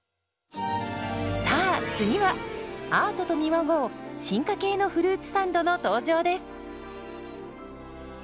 さあ次はアートと見まごう進化系のフルーツサンドの登場です。